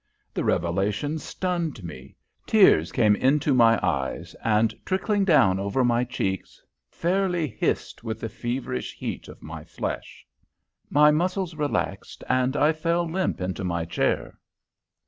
The revelation stunned me; tears came into my eyes, and trickling down over my cheeks, fairly hissed with the feverish heat of my flesh. My muscles relaxed, and I fell limp into my chair.